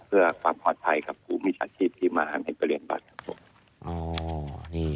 เพื่อความปลอดภัยกับผู้มิจฉาชีพที่มาในบริเวณบัตร